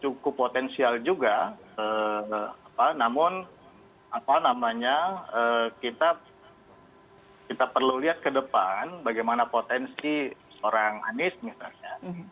cukup potensial juga namun apa namanya kita perlu lihat ke depan bagaimana potensi seorang anies misalnya